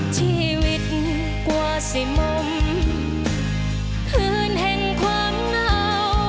ชีวิตกว่าสี่มุมคืนแห่งความเหงา